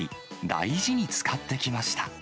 大事に使ってきました。